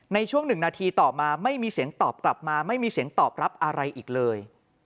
ในช่วง๑นาทีต่อมาไม่มีเสียงตอบกลับมาไม่มีเสียงตอบรับอะไรอีกเลย